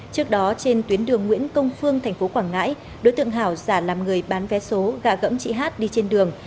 trước đó trên tuyến đường nguyễn công phương tp quảng ngãi đối tượng hảo giả làm người bán vé số gạ gẫm chị hát đi trên đường